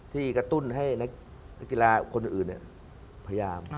กระตุ้นให้นักกีฬาคนอื่นพยายาม